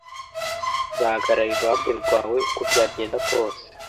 Nzahagarara iruhande rwawe uko byagenda kose.